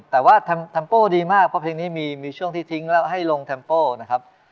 แต่ว่าแฮมโป้ดีมากเพราะเพลงนี้มีช่วงที่ทิ้งแล้วให้ลงแทมโป้นะครับ